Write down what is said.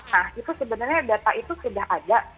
nah itu sebenarnya data itu sudah ada